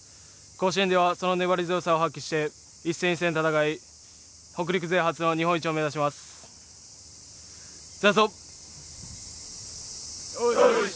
甲子園ではその粘り強さを発揮して、一戦一戦戦い北陸勢初の日本一を目指します。